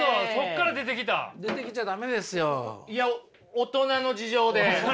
大人の事情で。